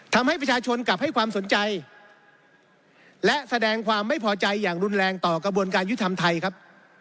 ทำให้ประชาชนกลับให้ความสนใจและแสดงความไม่พอใจอย่างรุนแรงต่อกระบวนการยุทธรรมไทยครับ